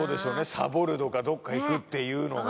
サボるとかどっか行くっていうのが。